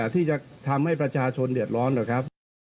ที่จะทำให้ประชาชนเดือดร้อนนะครับ